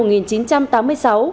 nguyễn hoàng linh